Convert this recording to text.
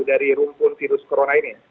dari rumpun virus corona ini